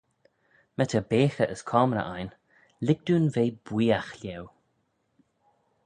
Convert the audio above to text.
My ta beaghey as coamrey ain, lhig dooin ve booiagh lhieu.